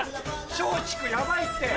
松竹ヤバいって。